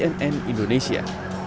tim liputan cnn indonesia